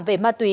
về ma túy